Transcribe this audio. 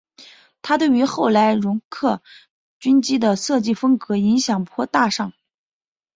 它对于后来容克军机的设计风格影响颇大上。